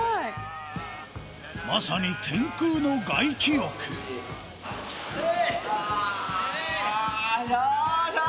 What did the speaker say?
まさに天空の外気浴あよいしょ。